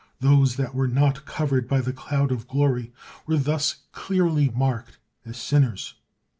Those that were not covered by the cloud of glory were thus clearly marked as sinners.